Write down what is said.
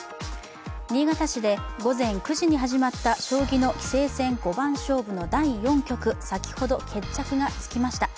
新潟市で午前９時に始まった将棋の棋聖戦五番勝負の第４局、先ほど決着がつきました。